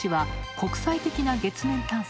国際的な月面探査